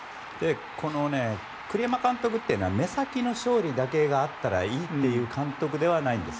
この栗山監督というのは目先の勝利だけがあったらいいという監督ではないんです。